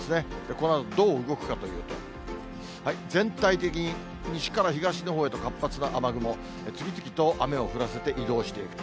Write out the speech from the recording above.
このあとどう動くかというと、全体的に西から東のほうへと活発な雨雲、次々と雨を降らせて移動していくと。